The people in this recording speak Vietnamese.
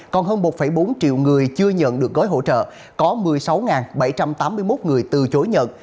còn hơn một bốn triệu người chưa nhận được gói hỗ trợ có một mươi sáu bảy trăm tám mươi một người từ chối nhận